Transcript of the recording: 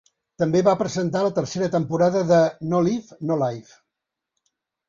També va presentar la tercera temporada de "No Leave, No Life".